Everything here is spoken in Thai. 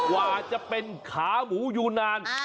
ว่าจะเป็นขาหมูอยู่นาน